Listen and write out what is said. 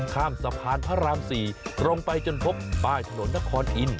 ข้ามสะพานพระราม๔ลงไปจนพบป้ายถนนนครอินท